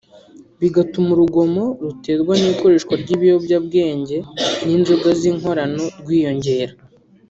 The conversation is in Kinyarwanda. bigatuma urugomo ruterwa n’ikoreshwa ry’ibiyobyabwenge n’inzoga z’inkorano rwiyongera